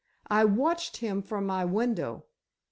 I watched him from my window.